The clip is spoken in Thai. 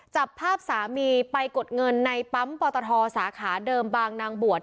จับภาพสามีไปกดเงินในปั๊มปอตทสาขาเดิมบางนางบวช